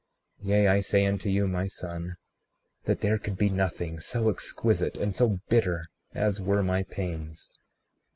36:21 Yea, I say unto you, my son, that there could be nothing so exquisite and so bitter as were my pains.